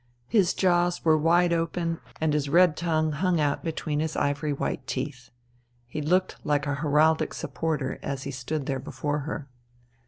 His jaws were wide open, and his red tongue hung out between his ivory white teeth. He looked like a heraldic supporter as he stood there before her.